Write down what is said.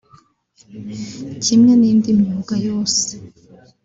Kimwe n’indi myuga yose